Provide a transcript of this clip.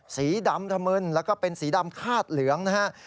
สีดำธรรมินแล้วก็เป็นสีดำฆาตเหลืองนะครับ